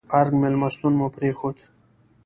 ارګ مېلمستون مو پرېښود.